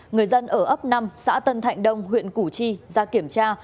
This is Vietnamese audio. người dân ở ấp năm xã tân thạnh đông huyện củ chi ra kiểm tra